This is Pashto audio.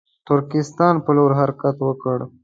ترکستان پر لور حرکت وکړ.